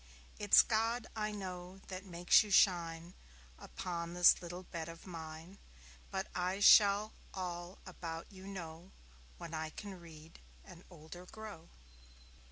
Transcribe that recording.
It's God, I know, that makes you shine Upon this little bed of mine; But I shall all about you know When I can read and older grow.